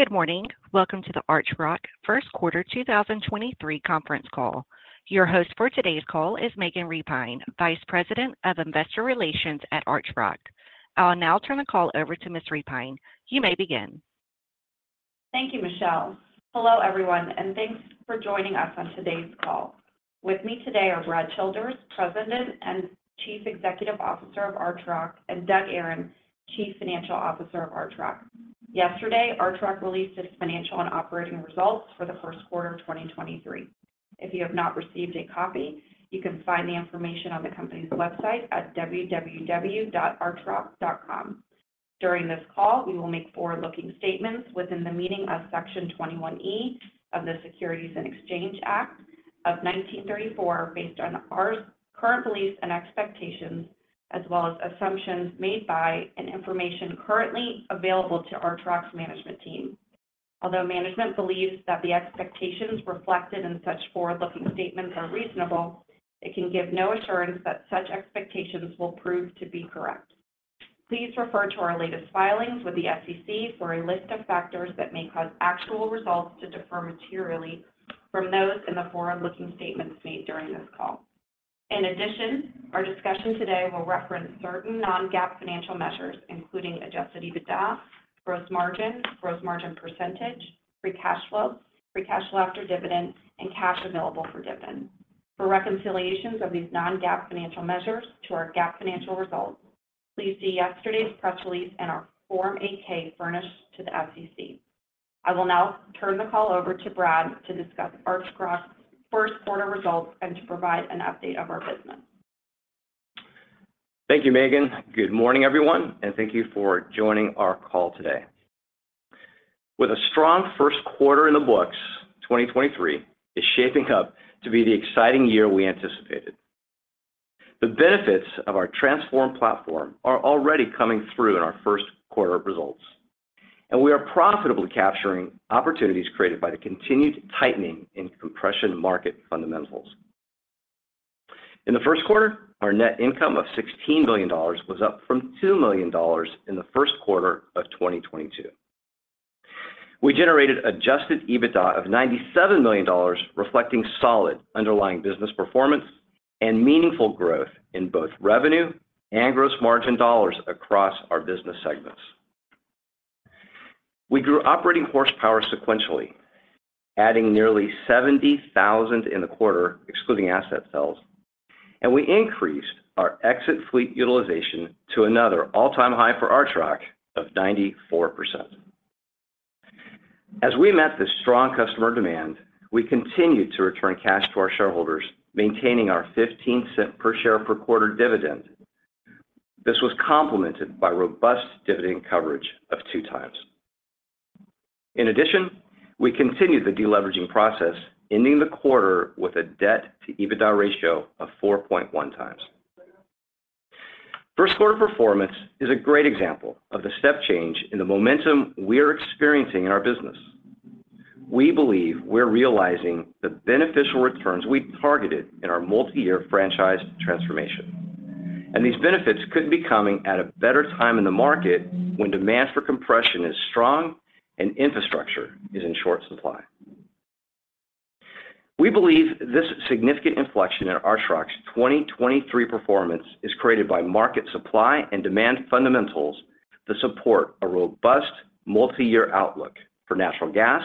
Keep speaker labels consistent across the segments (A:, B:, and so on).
A: Good morning. Welcome to the Archrock first quarter 2023 conference call. Your host for today's call is Megan Repine, Vice President of Investor Relations at Archrock. I'll now turn the call over to Ms. Repine. You may begin.
B: Thank you, Michelle. Hello, everyone, and thanks for joining us on today's call. With me today are Brad Childers, President and Chief Executive Officer of Archrock, and Doug Aron, Chief Financial Officer of Archrock. Yesterday, Archrock released its financial and operating results for the first quarter of 2023. If you have not received a copy, you can find the information on the company's website at www.archrock.com. During this call, we will make forward-looking statements within the meaning of Section 21E of the Securities Exchange Act of 1934 based on our current beliefs and expectations as well as assumptions made by and information currently available to Archrock's management team. Although management believes that the expectations reflected in such forward-looking statements are reasonable, it can give no assurance that such expectations will prove to be correct. Please refer to our latest filings with the SEC for a list of factors that may cause actual results to differ materially from those in the forward-looking statements made during this call. Our discussion today will reference certain non-GAAP financial measures, including adjusted EBITDA, gross margin, gross margin percentage, free cash flow, free cash flow after dividends, and cash available for dividends. For reconciliations of these non-GAAP financial measures to our GAAP financial results, please see yesterday's press release and our Form 8-K furnished to the SEC. I will now turn the call over to Brad to discuss Archrock's first quarter results and to provide an update of our business.
C: Thank you, Megan. Good morning, everyone, and thank you for joining our call today. With a strong first quarter in the books, 2023 is shaping up to be the exciting year we anticipated. The benefits of our transformed platform are already coming through in our first quarter results, and we are profitably capturing opportunities created by the continued tightening in compression market fundamentals. In the first quarter, our net income of $16 billion was up from $2 million in the first quarter of 2022. We generated adjusted EBITDA of $97 million reflecting solid underlying business performance and meaningful growth in both revenue and gross margin dollars across our business segments. We grew operating horsepower sequentially, adding nearly 70,000 in the quarter, excluding asset sales, and we increased our exit fleet utilization to another all-time high for Archrock of 94%. As we met the strong customer demand, we continued to return cash to our shareholders, maintaining our $0.15 per share per quarter dividend. This was complemented by robust dividend coverage of 2 times. In addition, we continued the deleveraging process, ending the quarter with a debt-to-EBITDA ratio of 4.1 times. First quarter performance is a great example of the step change in the momentum we are experiencing in our business. We believe we're realizing the beneficial returns we targeted in our multi-year franchise transformation. These benefits couldn't be coming at a better time in the market when demand for compression is strong and infrastructure is in short supply. We believe this significant inflection in Archrock's 2023 performance is created by market supply and demand fundamentals that support a robust multi-year outlook for natural gas,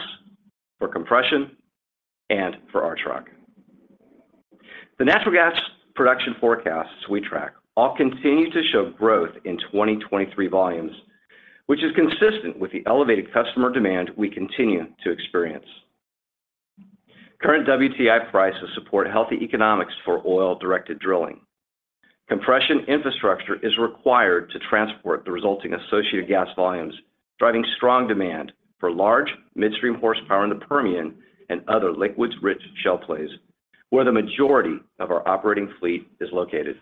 C: for compression, and for Archrock. The natural gas production forecasts we track all continue to show growth in 2023 volumes, which is consistent with the elevated customer demand we continue to experience. Current WTI prices support healthy economics for oil-directed drilling. Compression infrastructure is required to transport the resulting associated gas volumes, driving strong demand for large midstream horsepower in the Permian and other liquids-rich shale plays where the majority of our operating fleet is located.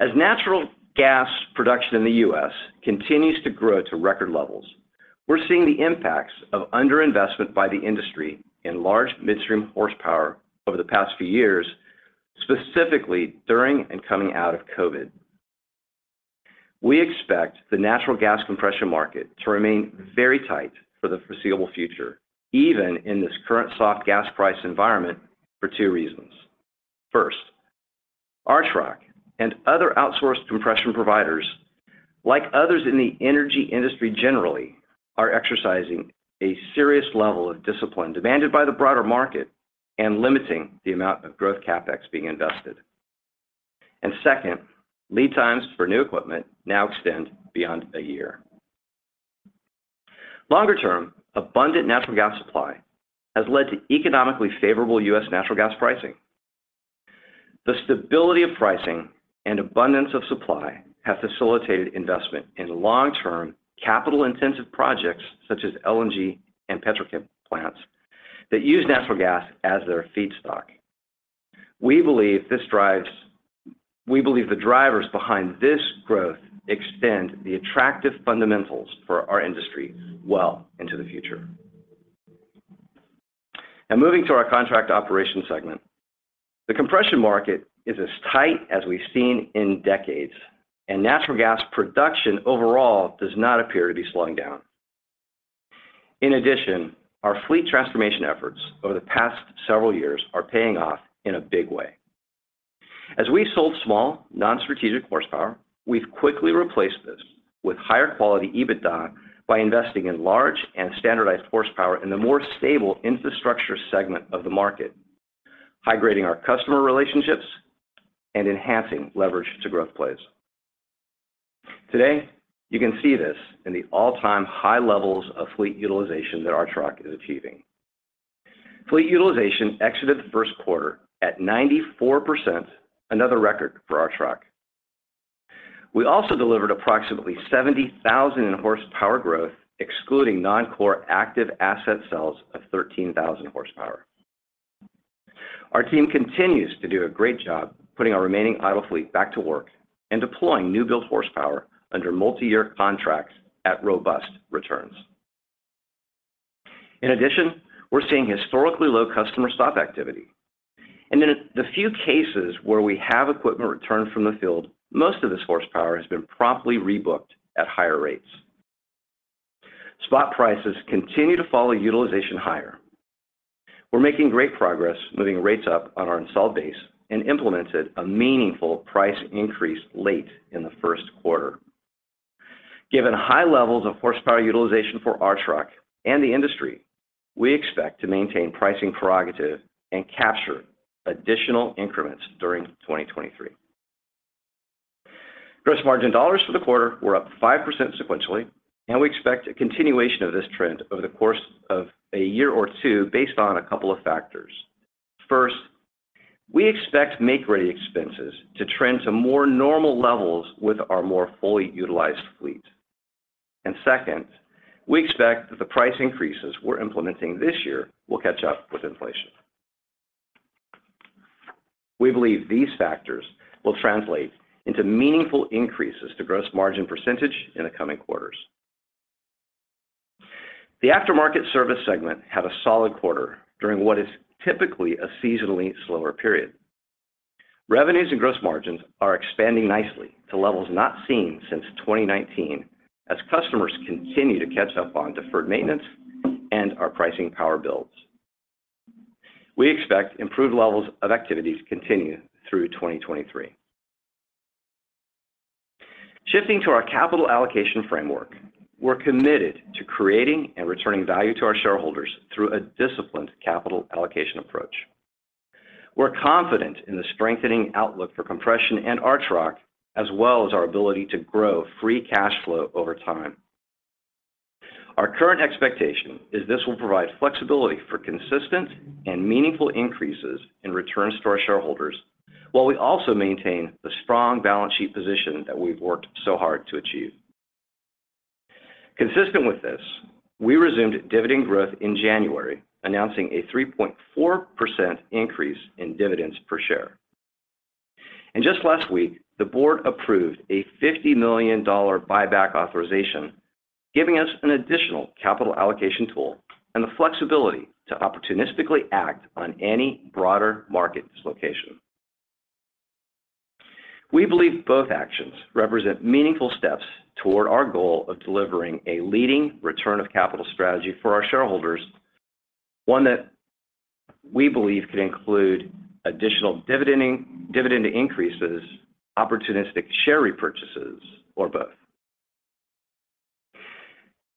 C: As natural gas production in the U.S. continues to grow to record levels, we're seeing the impacts of underinvestment by the industry in large midstream horsepower over the past few years, specifically during and coming out of COVID. We expect the natural gas compression market to remain very tight for the foreseeable future, even in this current soft gas price environment, for two reasons. First, Archrock and other outsourced compression providers, like others in the energy industry generally, are exercising a serious level of discipline demanded by the broader market and limiting the amount of growth CapEx being invested. Second, lead times for new equipment now extend beyond a year. Longer term, abundant natural gas supply has led to economically favorable U.S. natural gas pricing. The stability of pricing and abundance of supply have facilitated investment in long-term capital-intensive projects such as LNG and Petrochem Plants that use natural gas as their feedstock. We believe the drivers behind this growth extend the attractive fundamentals for our industry well into the future. Now moving to our contract operations segment. The compression market is as tight as we've seen in decades, and natural gas production overall does not appear to be slowing down. In addition, our fleet transformation efforts over the past several years are paying off in a big way. As we sold small, non-strategic horsepower, we've quickly replaced this with higher quality EBITDA by investing in large and standardized horsepower in the more stable infrastructure segment of the market, high-grading our customer relationships and enhancing leverage to growth plays. Today, you can see this in the all-time high levels of fleet utilization that Archrock is achieving. Fleet utilization exited the first quarter at 94%, another record for Archrock. We also delivered approximately 70,000 in horsepower growth, excluding non-core active asset sales of 13,000 horsepower. Our team continues to do a great job putting our remaining idle fleet back to work and deploying new build horsepower under multi-year contracts at robust returns. In addition, we're seeing historically low customer stop activity. In the few cases where we have equipment returned from the field, most of this horsepower has been promptly rebooked at higher rates. Spot prices continue to follow utilization higher. We're making great progress moving rates up on our installed base and implemented a meaningful price increase late in the first quarter. Given high levels of horsepower utilization for Archrock and the industry, we expect to maintain pricing prerogative and capture additional increments during 2023. Gross margin dollars for the quarter were up 5% sequentially, and we expect a continuation of this trend over the course of a year or two based on a couple of factors. First, we expect make-ready expenses to trend to more normal levels with our more fully utilized fleet. Second, we expect that the price increases we're implementing this year will catch up with inflation. We believe these factors will translate into meaningful increases to gross margin % in the coming quarters. The aftermarket service segment had a solid quarter during what is typically a seasonally slower period. Revenues and gross margins are expanding nicely to levels not seen since 2019 as customers continue to catch up on deferred maintenance and our pricing power builds. We expect improved levels of activities to continue through 2023. Shifting to our capital allocation framework, we're committed to creating and returning value to our shareholders through a disciplined capital allocation approach. We're confident in the strengthening outlook for compression and Archrock, as well as our ability to grow free cash flow over time. Our current expectation is this will provide flexibility for consistent and meaningful increases in returns to our shareholders, while we also maintain the strong balance sheet position that we've worked so hard to achieve. Consistent with this, we resumed dividend growth in January, announcing a 3.4% increase in dividends per share. Just last week, the board approved a $50 million buyback authorization, giving us an additional capital allocation tool and the flexibility to opportunistically act on any broader market dislocation. We believe both actions represent meaningful steps toward our goal of delivering a leading return of capital strategy for our shareholders, one that we believe could include additional dividend increases, opportunistic share repurchases, or both.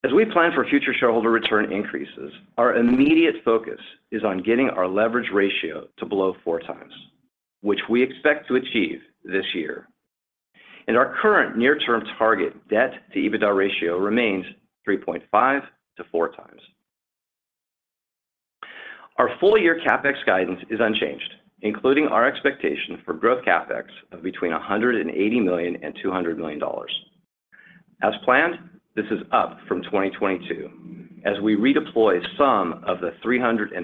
C: As we plan for future shareholder return increases, our immediate focus is on getting our leverage ratio to below 4 times, which we expect to achieve this year. Our current near-term target debt-to-EBITDA ratio remains 3.5-4 times. Our full-year CapEx guidance is unchanged, including our expectation for growth CapEx of between $180 million and $200 million. As planned, this is up from 2022 as we redeploy some of the $314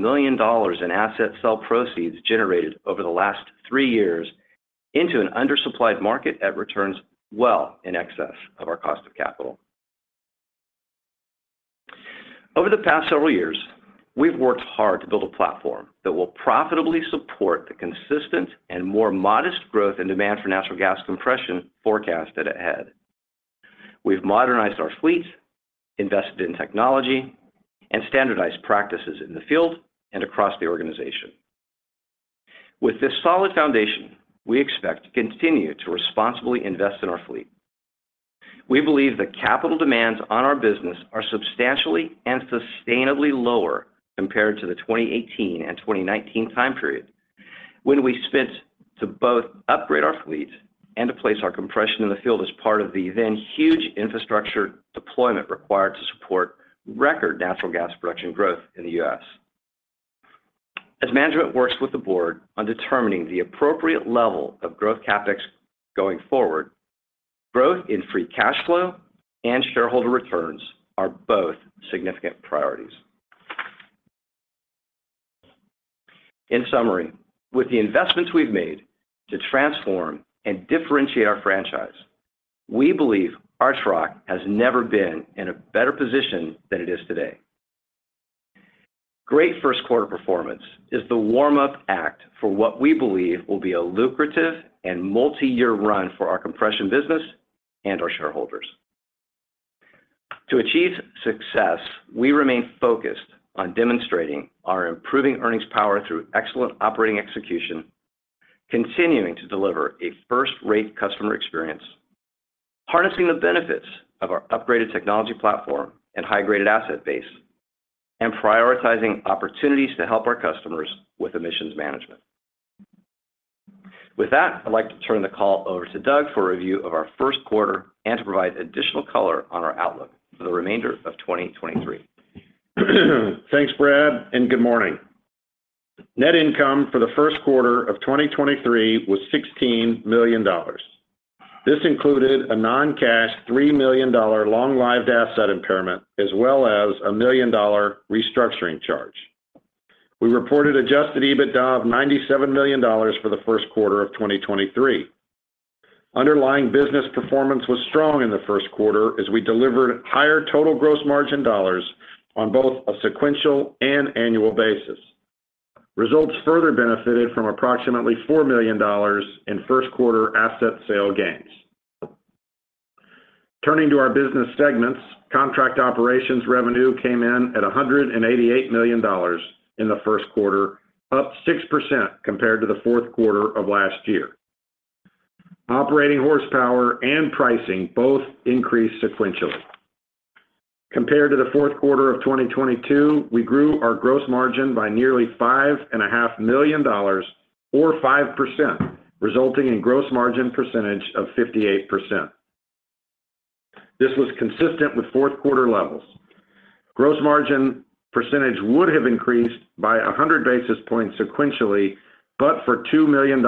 C: million in asset sell proceeds generated over the last three years into an undersupplied market at returns well in excess of our cost of capital. Over the past several years, we've worked hard to build a platform that will profitably support the consistent and more modest growth and demand for natural gas compression forecasted ahead. We've modernized our fleet, invested in technology, and standardized practices in the field and across the organization. With this solid foundation, we expect to continue to responsibly invest in our fleet. We believe the capital demands on our business are substantially and sustainably lower compared to the 2018 and 2019 time period when we spent to both upgrade our fleet and to place our compression in the field as part of the then huge infrastructure deployment required to support record natural gas production growth in the US. As management works with the board on determining the appropriate level of growth CapEx going forward, growth in free cash flow and shareholder returns are both significant priorities. In summary, with the investments we've made to transform and differentiate our franchise, we believe Archrock has never been in a better position than it is today. Great first quarter performance is the warm-up act for what we believe will be a lucrative and multi-year run for our compression business and our shareholders. To achieve success, we remain focused on demonstrating our improving earnings power through excellent operating execution, continuing to deliver a first-rate customer experience, harnessing the benefits of our upgraded technology platform and high-graded asset base, and prioritizing opportunities to help our customers with emissions management. With that, I'd like to turn the call over to Doug for a review of our first quarter and to provide additional color on our outlook for the remainder of 2023.
D: Thanks, Brad, and good morning. Net income for the first quarter of 2023 was $16 million. This included a non-cash $3 million long-lived asset impairment, as well as a $1 million restructuring charge. We reported adjusted EBITDA of $97 million for the first quarter of 2023. Underlying business performance was strong in the first quarter as we delivered higher total gross margin dollars on both a sequential and annual basis. Results further benefited from approximately $4 million in first quarter asset sale gains. Turning to our business segments, contract operations revenue came in at $188 million in the first quarter, up 6% compared to the fourth quarter of last year. Operating horsepower and pricing both increased sequentially. Compared to the fourth quarter of 2022, we grew our gross margin by nearly $5.5 million or 5%, resulting in gross margin percentage of 58%. This was consistent with fourth quarter levels. Gross margin percentage would have increased by 100 basis points sequentially, but for $2 million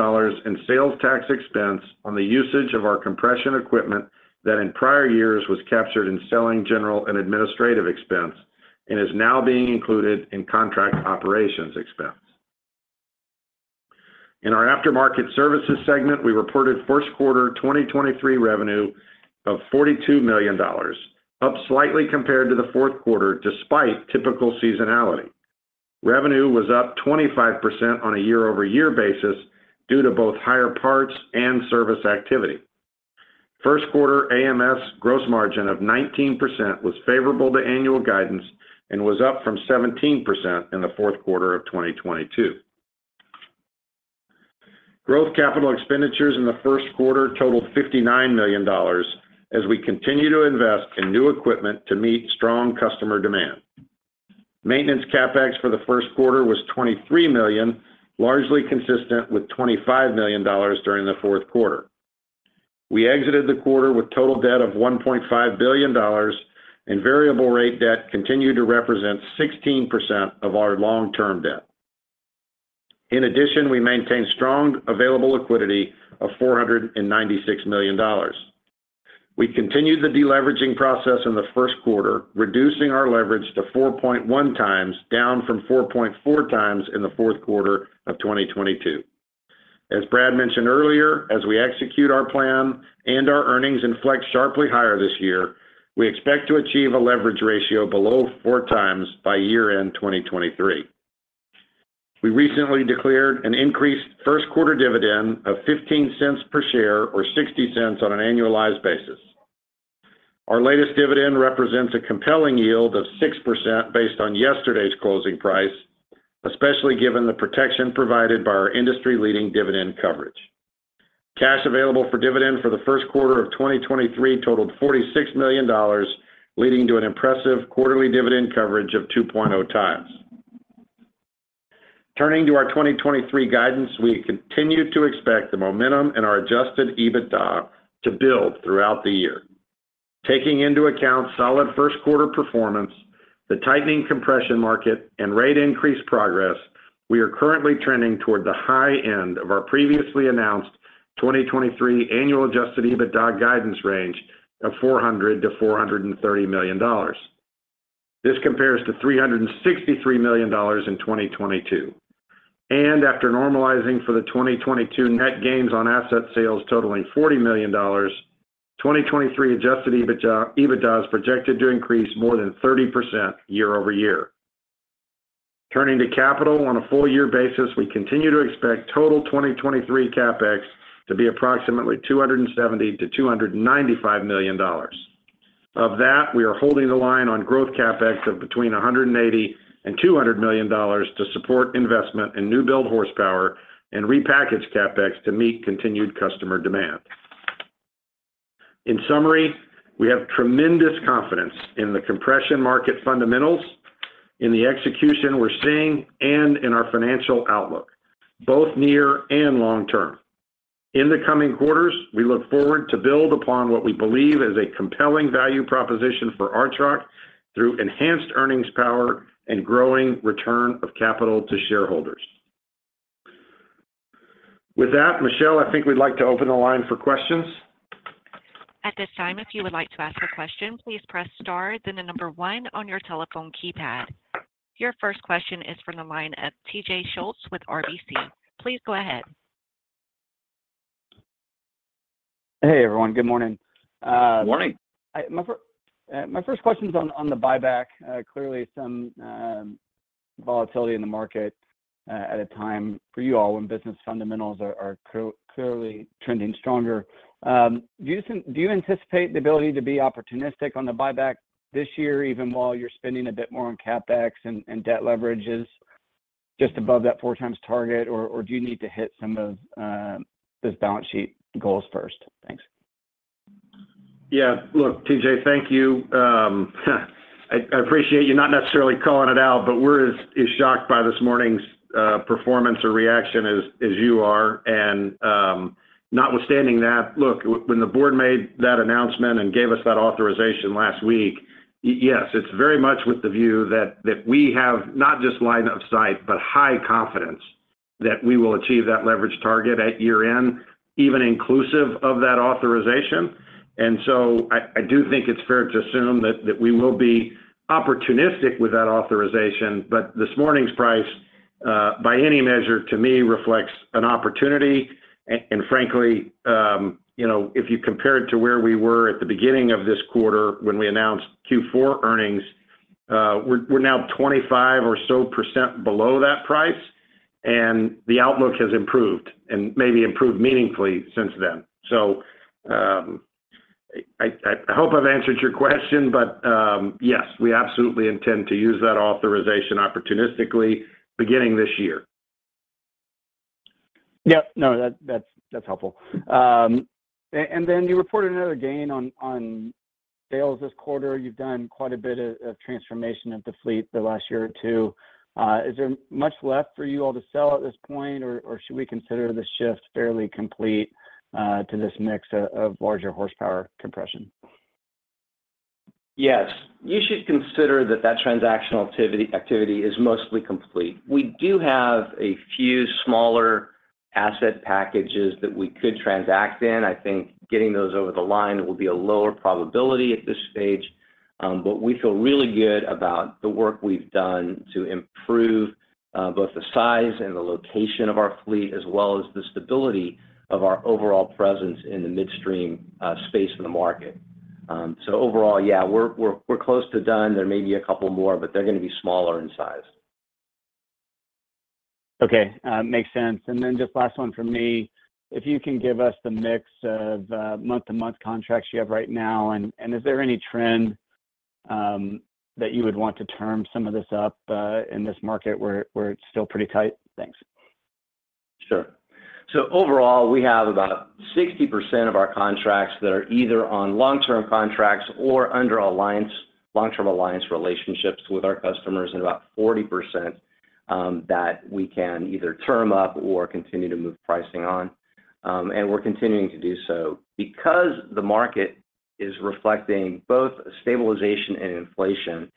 D: in sales tax expense on the usage of our compression equipment that in prior years was captured in selling, general and administrative expense and is now being included in contract operations expense. In our aftermarket services segment, we reported first quarter 2023 revenue of $42 million, up slightly compared to the fourth quarter despite typical seasonality. Revenue was up 25% on a year-over-year basis due to both higher parts and service activity. First quarter AMS gross margin of 19% was favorable to annual guidance and was up from 17% in the fourth quarter of 2022. Growth capital expenditures in the first quarter totaled $59 million as we continue to invest in new equipment to meet strong customer demand. Maintenance CapEx for the first quarter was $23 million, largely consistent with $25 million during the fourth quarter. We exited the quarter with total debt of $1.5 billion, and variable rate debt continued to represent 16% of our long-term debt. In addition, we maintained strong available liquidity of $496 million. We continued the deleveraging process in the first quarter, reducing our leverage to 4.1 times, down from 4.4 times in the fourth quarter of 2022. As Brad mentioned earlier, as we execute our plan and our earnings inflect sharply higher this year, we expect to achieve a leverage ratio below 4 times by year-end 2023. We recently declared an increased first quarter dividend of $0.15 per share or $0.60 on an annualized basis. Our latest dividend represents a compelling yield of 6% based on yesterday's closing price, especially given the protection provided by our industry-leading dividend coverage. Cash available for dividend for the first quarter of 2023 totaled $46 million, leading to an impressive quarterly dividend coverage of 2.0 times. Turning to our 2023 guidance, we continue to expect the momentum in our adjusted EBITDA to build throughout the year. Taking into account solid first quarter performance, the tightening compression market, and rate increase progress, we are currently trending toward the high end of our previously announced 2023 annual adjusted EBITDA guidance range of $400 million-$430 million. This compares to $363 million in 2022. After normalizing for the 2022 net gains on asset sales totaling $40 million, 2023 adjusted EBITDA is projected to increase more than 30% year-over-year. Turning to capital on a full year basis, we continue to expect total 2023 CapEx to be approximately $270 million-$295 million. Of that, we are holding the line on growth CapEx of between $180 million and $200 million to support investment in new build horsepower and repackage CapEx to meet continued customer demand. In summary, we have tremendous confidence in the compression market fundamentals, in the execution we're seeing, and in our financial outlook, both near and long term. In the coming quarters, we look forward to build upon what we believe is a compelling value proposition for Archrock through enhanced earnings power and growing return of capital to shareholders.
C: With that, Michelle, I think we'd like to open the line for questions.
E: At this time, if you would like to ask a question, please press star then 1 on your telephone keypad. Your first question is from the line of TJ Schultz with RBC. Please go ahead.
F: Hey, everyone. Good morning.
C: Good morning.
F: My first question's on the buyback. clearly some volatility in the market at a time for you all when business fundamentals are clearly trending stronger. Do you anticipate the ability to be opportunistic on the buyback this year even while you're spending a bit more on CapEx and debt leverage is just above that 4 times target or do you need to hit some of those balance sheet goals first? Thanks.
C: Yeah. Look, TJ, thank you. I appreciate you not necessarily calling it out, but we're as shocked by this morning's performance or reaction as you are. Notwithstanding that, look, when the board made that announcement and gave us that authorization last week, yes, it's very much with the view that we have not just line of sight, but high confidence that we will achieve that leverage target at year-end, even inclusive of that authorization. I do think it's fair to assume that we will be opportunistic with that authorization, but this morning's price, by any measure to me reflects an opportunity. frankly, you know, if you compare it to where we were at the beginning of this quarter when we announced Q4 earnings, we're now 25% or so below that price. The outlook has improved and maybe improved meaningfully since then. I hope I've answered your question, but yes, we absolutely intend to use that authorization opportunistically beginning this year.
F: Yeah. No. That, that's helpful. You reported another gain on sales this quarter. You've done quite a bit of transformation of the fleet the last year or two. Is there much left for you all to sell at this point, or should we consider the shift fairly complete to this mix of larger horsepower compression?
C: Yes. You should consider that transactional activity is mostly complete. We do have a few smaller asset packages that we could transact in. I think getting those over the line will be a lower probability at this stage, but we feel really good about the work we've done to improve both the size and the location of our fleet, as well as the stability of our overall presence in the midstream space in the market. Overall, yeah, we're close to done. There may be a couple more, but they're gonna be smaller in size.
F: Okay. makes sense. Just last one from me. If you can give us the mix of month-to-month contracts you have right now, and is there any trend that you would want to term some of this up in this market where it's still pretty tight? Thanks.
C: Sure. Overall, we have about 60% of our contracts that are either on long-term contracts or under long-term alliance relationships with our customers, and about 40% that we can either term up or continue to move pricing on. We're continuing to do so. Because the market is reflecting both stabilization and inflation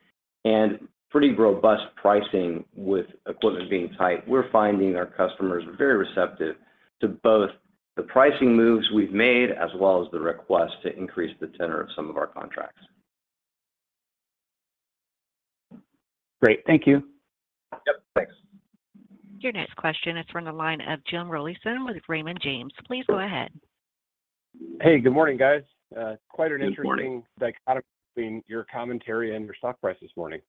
C: and pretty robust pricing with equipment being tight, we're finding our customers are very receptive to both the pricing moves we've made as well as the request to increase the tenor of some of our contracts.
F: Great. Thank you.
C: Yep. Thanks.
E: Your next question is from the line of Jim Rollyson with Raymond James. Please go ahead.
G: Hey. Good morning, guys.
C: Good morning.
G: Quite an interesting dichotomy between your commentary and your stock price this morning.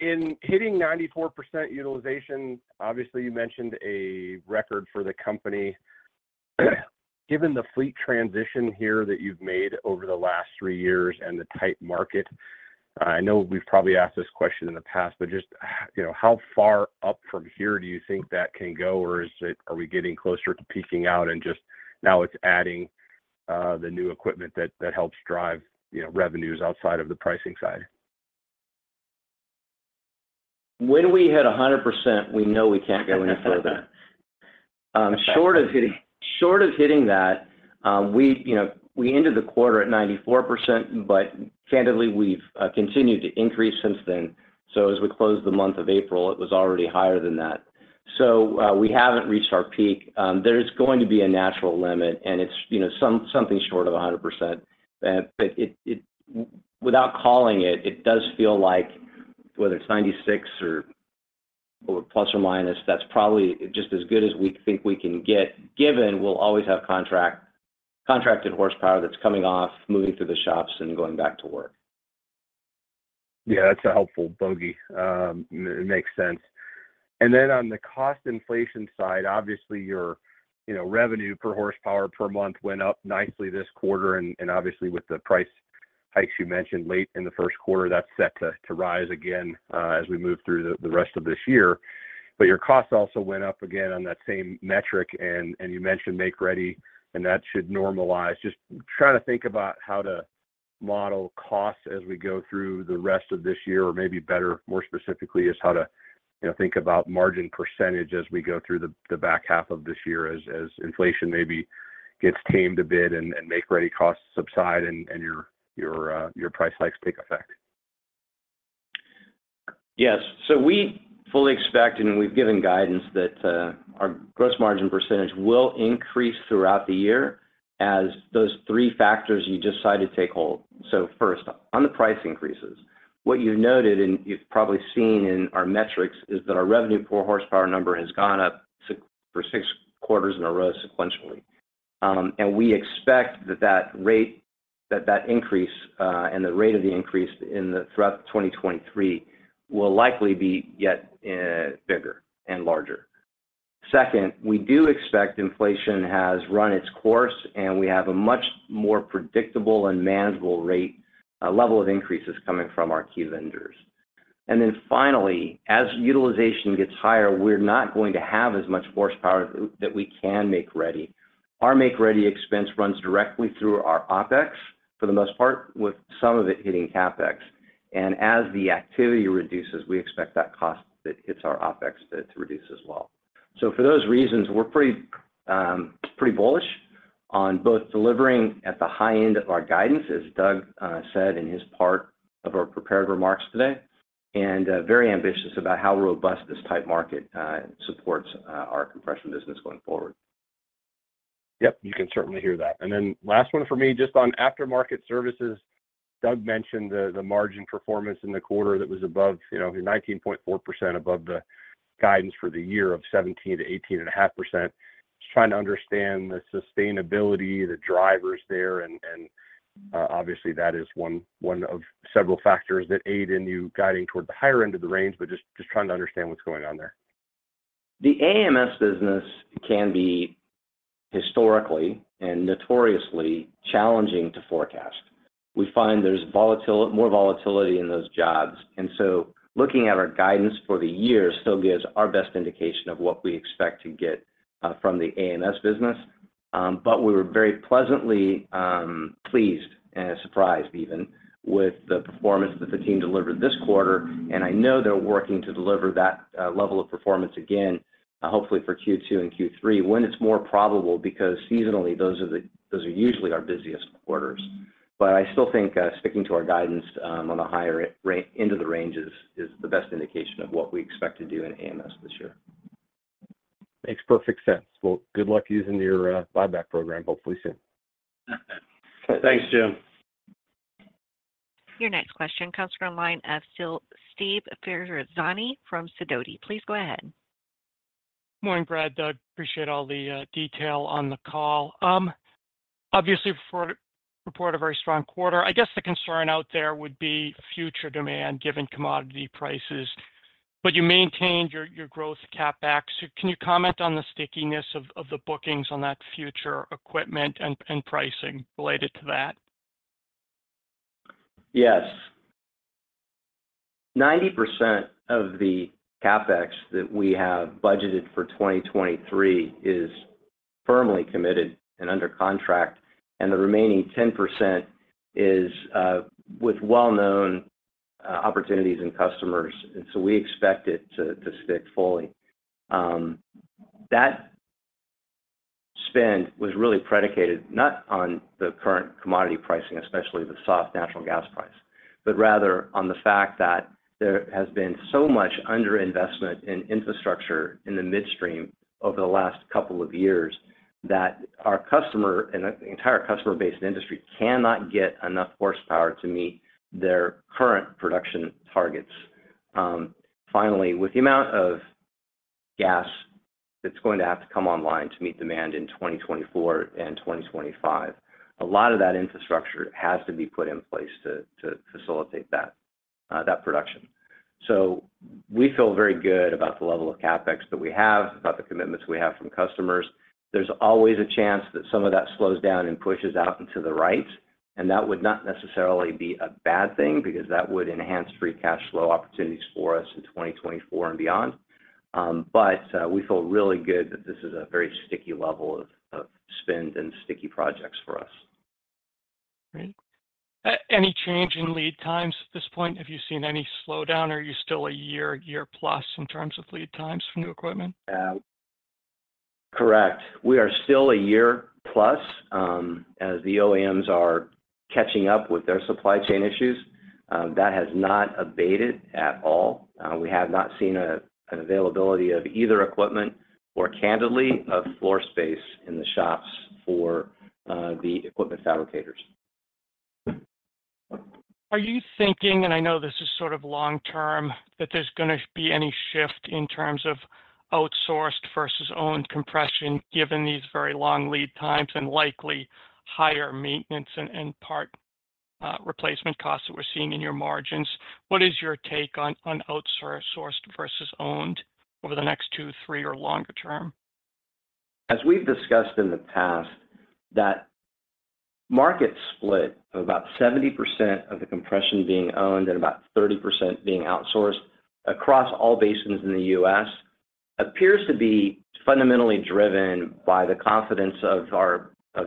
G: In hitting 94% utilization, obviously, you mentioned a record for the company. Given the fleet transition here that you've made over the last 3 years and the tight market, I know we've probably asked this question in the past, but just, you know, how far up from here do you think that can go or are we getting closer to peaking out and just now it's adding the new equipment that helps drive, you know, revenues outside of the pricing side?
C: When we hit 100%, we know we can't go any further. Short of hitting that, we, you know, we ended the quarter at 94%, but candidly, we've continued to increase since then. As we closed the month of April, it was already higher than that. We haven't reached our peak. There is going to be a natural limit, and it's, you know, something short of 100%. Without calling it does feel like whether it's 96 or ±, that's probably just as good as we think we can get, given we'll always have contracted horsepower that's coming off, moving through the shops and going back to work.
G: Yeah, that's a helpful bogey. It makes sense. On the cost inflation side, obviously your, you know, revenue per horsepower per month went up nicely this quarter, and obviously with the price hikes you mentioned late in the first quarter, that's set to rise again as we move through the rest of this year. Your costs also went up again on that same metric and you mentioned make-ready, and that should normalize. Just trying to think about how to model costs as we go through the rest of this year, or maybe better, more specifically, is how to, you know, think about margin percentage as we go through the back half of this year as inflation maybe gets tamed a bit and make-ready costs subside and your price hikes take effect.
C: Yes. We fully expect, and we've given guidance that, our gross margin percentage will increase throughout the year as those three factors you just cited take hold. First, on the price increases, what you've noted, and you've probably seen in our metrics, is that our revenue per horsepower number has gone up for six quarters in a row sequentially. We expect that that increase, and the rate of the increase in the-- throughout 2023 will likely be yet, bigger and larger. Second, we do expect inflation has run its course, and we have a much more predictable and manageable rate, level of increases coming from our key vendors. Finally, as utilization gets higher, we're not going to have as much horsepower that we can make-ready. Our make-ready expense runs directly through our OpEx for the most part, with some of it hitting CapEx. As the activity reduces, we expect that cost that hits our OpEx to reduce as well. For those reasons, we're pretty bullish on both delivering at the high end of our guidance, as Doug said in his part of our prepared remarks today, and very ambitious about how robust this tight market supports our compression business going forward.
G: Yep, you can certainly hear that. Then last one for me, just on aftermarket services. Doug mentioned the margin performance in the quarter that was above, you know, 19.4% above the guidance for the year of 17%-18.5%. Just trying to understand the sustainability, the drivers there, and obviously, that is one of several factors that aid in you guiding toward the higher end of the range, but just trying to understand what's going on there.
C: The AMS business can be historically and notoriously challenging to forecast. We find there's more volatility in those jobs. Looking at our guidance for the year still gives our best indication of what we expect to get from the AMS business. We were very pleasantly pleased and surprised even with the performance that the team delivered this quarter, and I know they're working to deliver that level of performance again, hopefully for Q2 and Q3 when it's more probable because seasonally, those are usually our busiest quarters. I still think, sticking to our guidance, on the higher end of the range is the best indication of what we expect to do in AMS this year.
G: Makes perfect sense. Well, good luck using your buyback program, hopefully soon.
C: Thanks, Jim.
E: Your next question comes from line of still Steve Ferazani from Sidoti. Please go ahead.
H: Morning, Brad, Doug. Appreciate all the detail on the call. Obviously report a very strong quarter. I guess the concern out there would be future demand given commodity prices. You maintained your growth CapEx. Can you comment on the stickiness of the bookings on that future equipment and pricing related to that?
C: Yes. 90% of the CapEx that we have budgeted for 2023 is firmly committed and under contract. The remaining 10% is with well-known opportunities and customers. We expect it to stick fully. That spend was really predicated not on the current commodity pricing, especially the soft natural gas price, but rather on the fact that there has been so much underinvestment in infrastructure in the midstream over the last couple of years that our customer and the entire customer base and industry cannot get enough horsepower to meet their current production targets. Finally, with the amount of gas that's going to have to come online to meet demand in 2024 and 2025, a lot of that infrastructure has to be put in place to facilitate that production. We feel very good about the level of CapEx that we have, about the commitments we have from customers. There's always a chance that some of that slows down and pushes out into the right, and that would not necessarily be a bad thing because that would enhance free cash flow opportunities for us in 2024 and beyond. We feel really good that this is a very sticky level of spend and sticky projects for us.
H: Great. Any change in lead times at this point? Have you seen any slowdown? Are you still a year, a year plus in terms of lead times for new equipment?
C: Correct. We are still a year plus, as the OEMs are catching up with their supply chain issues. That has not abated at all. We have not seen a, an availability of either equipment or candidly of floor space in the shops for, the equipment fabricators.
H: Are you thinking, and I know this is sort of long term, that there's gonna be any shift in terms of outsourced versus owned compression given these very long lead times and likely higher maintenance and part, replacement costs that we're seeing in your margins? What is your take on outsourced versus owned over the next two, three, or longer term?
C: As we've discussed in the past, that market split of about 70% of the compression being owned and about 30% being outsourced across all basins in the U.S. appears to be fundamentally driven by the confidence of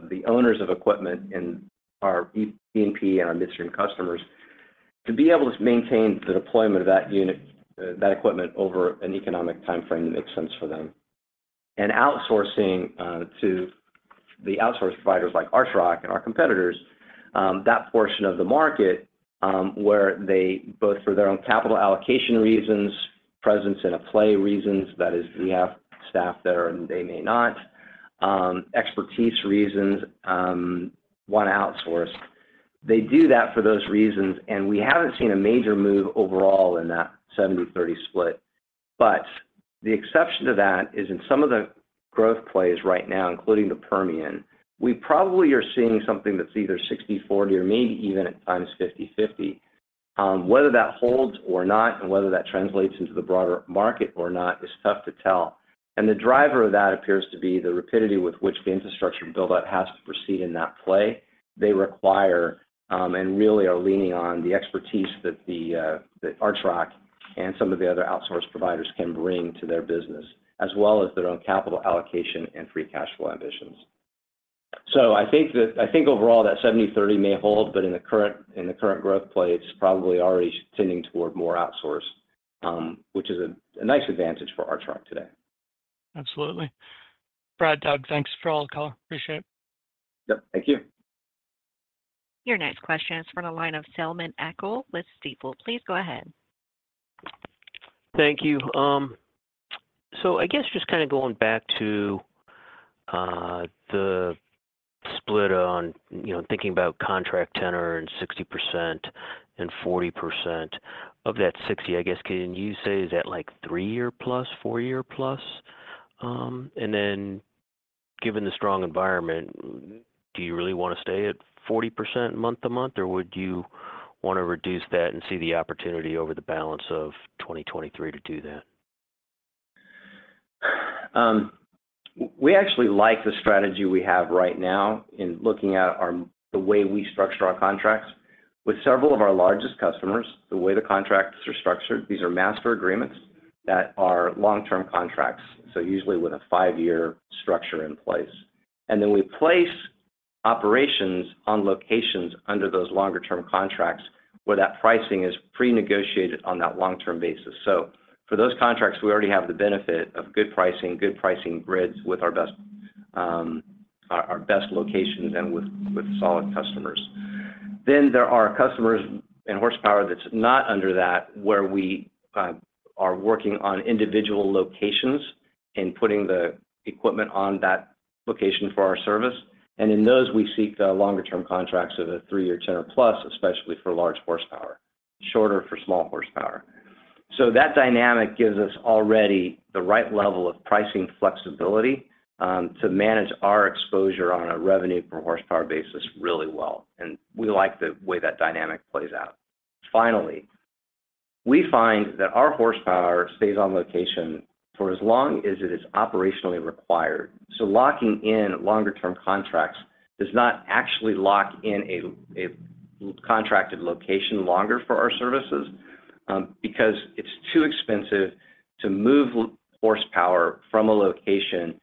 C: the owners of equipment and our E&P and our midstream customers to be able to maintain the deployment of that unit, that equipment over an economic time frame that makes sense for them. Outsourcing to the outsource providers like Archrock and our competitors, that portion of the market where they both for their own capital allocation reasons, presence in a play reasons, that is we have staff there and they may not, expertise reasons, want to outsource. They do that for those reasons, and we haven't seen a major move overall in that 70/30 split. The exception to that is in some of the growth plays right now, including the Permian, we probably are seeing something that's either 60/40 or maybe even at times 50/50. Whether that holds or not and whether that translates into the broader market or not is tough to tell. The driver of that appears to be the rapidity with which the infrastructure build-out has to proceed in that play. They require, and really are leaning on the expertise that the that Archrock and some of the other outsource providers can bring to their business, as well as their own capital allocation and free cash flow ambitions. I think overall that 70/30 may hold, but in the current, in the current growth play, it's probably already tending toward more outsource, which is a nice advantage for Archrock today.
H: Absolutely. Brad, Doug, thanks for all the color. Appreciate it.
C: Yep, thank you.
E: Your next question is from the line of Selman Akyol with Stifel. Please go ahead.
I: Thank you. I guess just kind of going back to the split on, you know, thinking about contract tenor and 60% and 40%. Of that 60, I guess, can you say is that like 3-year plus, 4-year plus? Given the strong environment, do you really want to stay at 40% month to month or would you want to reduce that and see the opportunity over the balance of 2023 to do that?
C: We actually like the strategy we have right now in looking at the way we structure our contracts. With several of our largest customers, the way the contracts are structured, these are master agreements that are long-term contracts, so usually with a five-year structure in place. Then we place operations on locations under those longer term contracts where that pricing is prenegotiated on that long-term basis. For those contracts, we already have the benefit of good pricing, good pricing grids with our best, our best locations and with solid customers. There are customers and horsepower that's not under that where we are working on individual locations and putting the equipment on that location for our service. In those we seek longer term contracts of a three-year tenor plus, especially for large horsepower, shorter for small horsepower. That dynamic gives us already the right level of pricing flexibility to manage our exposure on a revenue per horsepower basis really well, and we like the way that dynamic plays out. Finally, we find that our horsepower stays on location for as long as it is operationally required. Locking in longer term contracts does not actually lock in a contracted location longer for our services because it's too expensive to move horsepower from a location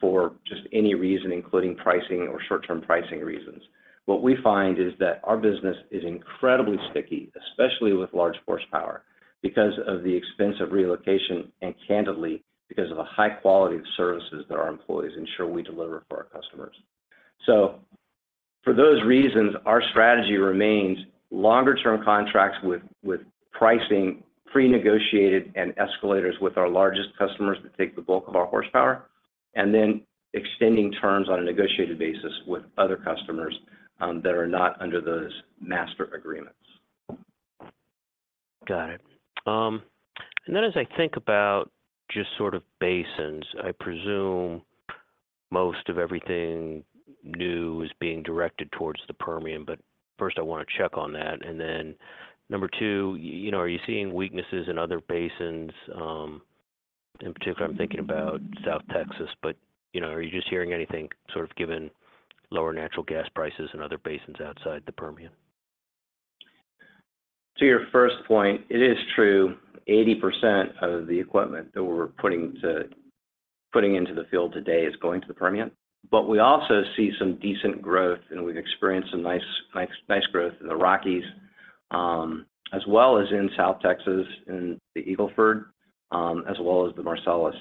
C: for just any reason, including pricing or short-term pricing reasons. What we find is that our business is incredibly sticky, especially with large horsepower because of the expense of relocation and candidly because of the high quality of services that our employees ensure we deliver for our customers. For those reasons, our strategy remains longer term contracts with pricing prenegotiated and escalators with our largest customers that take the bulk of our horsepower, and then extending terms on a negotiated basis with other customers that are not under those master agreements.
I: Got it. As I think about just sort of basins, I presume most of everything new is being directed towards the Permian, first I want to check on that. Number 2, you know, are you seeing weaknesses in other basins? In particular, I'm thinking about South Texas, you know, are you just hearing anything sort of given lower natural gas prices in other basins outside the Permian?
C: To your first point, it is true 80% of the equipment that we're putting into the field today is going to the Permian. We also see some decent growth, and we've experienced some nice growth in the Rockies, as well as in South Texas in the Eagle Ford, as well as the Marcellus.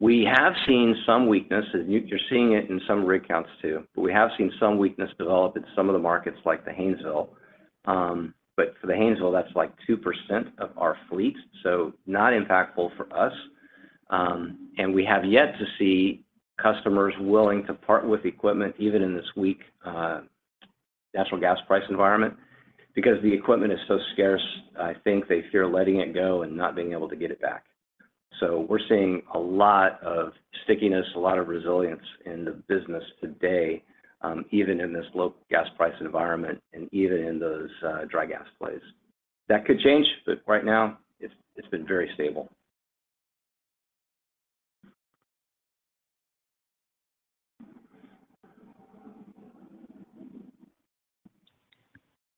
C: We have seen some weakness, and you're seeing it in some rig counts too, but we have seen some weakness develop in some of the markets like the Haynesville. For the Haynesville, that's like 2% of our fleet, so not impactful for us. And we have yet to see customers willing to part with equipment even in this weak natural gas price environment. The equipment is so scarce, I think they fear letting it go and not being able to get it back. We're seeing a lot of stickiness, a lot of resilience in the business today, even in this low gas price environment and even in those dry gas plays. That could change. Right now it's been very stable.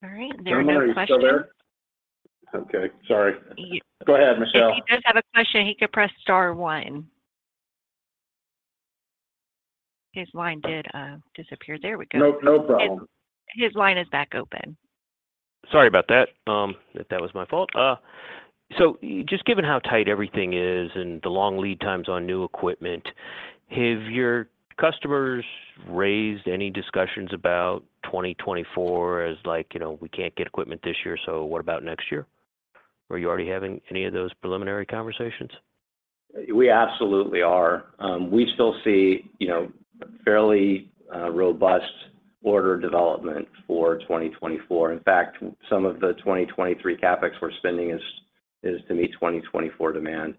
E: All right. There are no questions.
H: Don, are you still there? Okay, sorry.
E: You-
H: Go ahead, Michelle.
E: If he does have a question, he could press star 1. His line did disappear. There we go
C: No, no problem.
E: His line is back open.
I: Sorry about that. That was my fault. Just given how tight everything is and the long lead times on new equipment, have your customers raised any discussions about 2024 as like, you know, we can't get equipment this year, so what about next year? Are you already having any of those preliminary conversations?
C: We absolutely are. We still see, you know, fairly, robust order development for 2024. In fact, some of the 2023 CapEx we're spending is to meet 2024 demand.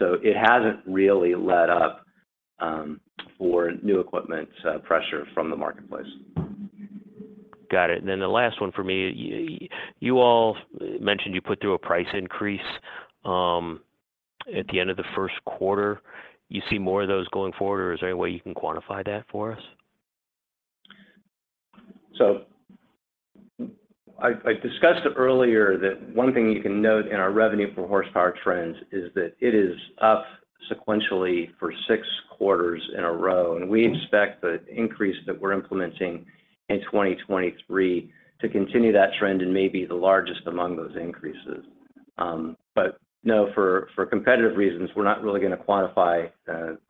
C: It hasn't really let up, for new equipment, pressure from the marketplace.
I: Got it. The last one for me. You all mentioned you put through a price increase, at the end of the first quarter. You see more of those going forward, or is there any way you can quantify that for us?
C: I discussed earlier that one thing you can note in our revenue per horsepower trends is that it is up sequentially for six quarters in a row, and we expect the increase that we're implementing in 2023 to continue that trend and may be the largest among those increases. No, for competitive reasons, we're not really gonna quantify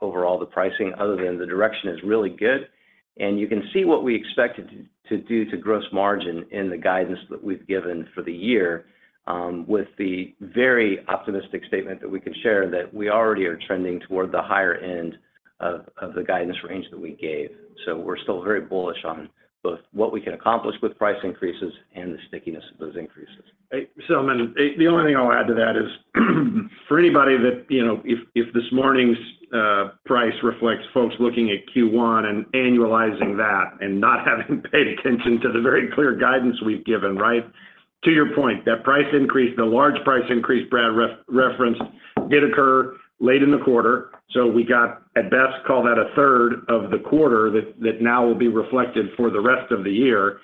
C: overall the pricing other than the direction is really good. You can see what we expect it to do to gross margin in the guidance that we've given for the year, with the very optimistic statement that we can share that we already are trending toward the higher end of the guidance range that we gave. We're still very bullish on both what we can accomplish with price increases and the stickiness of those increases.
D: Selman, the only thing I'll add to that is for anybody that, you know, if this morning's price reflects folks looking at Q1 and annualizing that and not having paid attention to the very clear guidance we've given, right? To your point, that price increase, the large price increase Brad referenced did occur late in the quarter. We got at best call that a third of the quarter that now will be reflected for the rest of the year.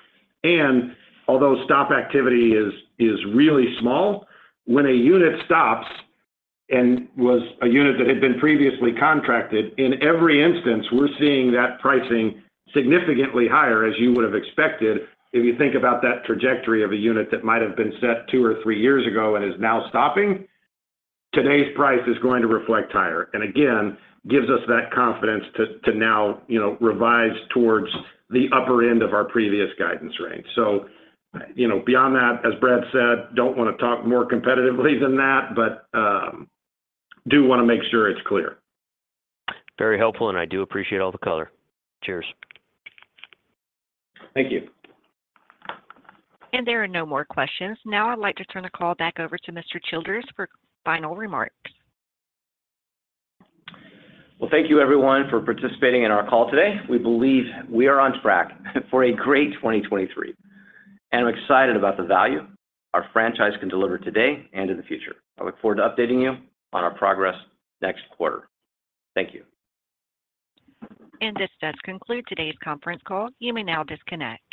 D: Although stop activity is really small, when a unit stops and was a unit that had been previously contracted, in every instance, we're seeing that pricing significantly higher as you would have expected if you think about that trajectory of a unit that might have been set two or three years ago and is now stopping. Today's price is going to reflect higher. Again, gives us that confidence to now, you know, revise towards the upper end of our previous guidance range. You know, beyond that, as Brad said, don't wanna talk more competitively than that, but do wanna make sure it's clear.
I: Very helpful, and I do appreciate all the color. Cheers.
C: Thank you.
E: There are no more questions. Now I'd like to turn the call back over to Mr. Childers for final remarks.
C: Well, thank you everyone for participating in our call today. We believe we are on track for a great 2023. I'm excited about the value our franchise can deliver today and in the future. I look forward to updating you on our progress next quarter. Thank you.
E: This does conclude today's conference call. You may now disconnect.